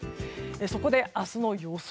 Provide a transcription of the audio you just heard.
そこで明日の予想